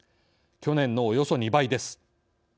去年のおよそ２倍です。